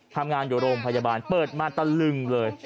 ทำงานอยู่โรงพยาบาลเปิดมาตะลึงเลย